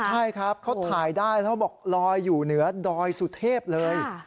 ใช่ครับเขาถ่ายได้เขาบอกลอยอยู่เหนือดอยสุเทพเลย